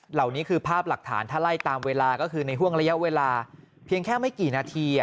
เหล่านี้คือภาพหลักฐานถ้าไล่ตามเวลาก็คือในห่วงระยะเวลาเพียงแค่ไม่กี่นาที